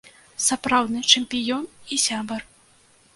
Сапраўдны чэмпіён і сябар.